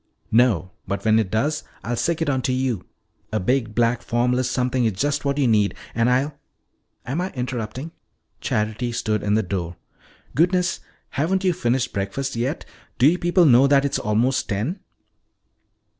"No, but when it does I'll sic it onto you. A big, black, formless something is just what you need. And I'll " "Am I interrupting?" Charity stood in the door. "Goodness! Haven't you finished breakfast yet? Do you people know that it is almost ten?"